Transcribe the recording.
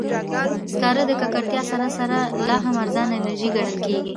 سکاره د ککړتیا سره سره، لا هم ارزانه انرژي ګڼل کېږي.